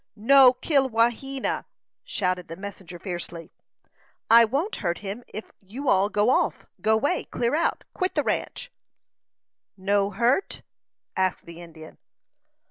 "No kill Wahena!" shouted the messenger, fiercely. "I won't hurt him ef you all go off go 'way clear out quit the ranch." "No hurt?" asked the Indian.